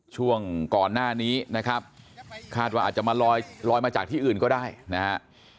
ช่วงก่อนหน้านี้นะครับคาดว่าอาจจะมาลอยมาจากที่อื่นก็ได้นะฮะ